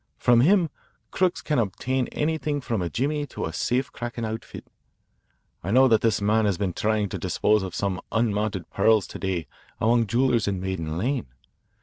From him crooks can obtain anything from a jimmy to a safe cracking outfit. I know that this man has been trying to dispose of some unmounted pearls to day among jewellers in Maiden Lane.